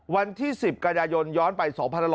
วันที่๑๐กายยนต์ย้อนไป๒๑๕๑